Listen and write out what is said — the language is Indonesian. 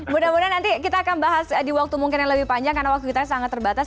mudah mudahan nanti kita akan bahas di waktu mungkin yang lebih panjang karena waktu kita sangat terbatas